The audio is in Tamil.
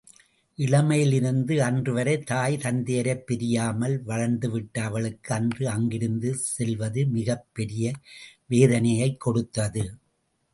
இளமையிலிருந்து அன்றுவரை தாய் தந்தையரைப் பிரியாமல் வளர்ந்துவிட்ட அவளுக்கு, அன்று அங்கிருந்து செல்வது மிகப் பெரிய வேதனையைக் கொடுத்தது.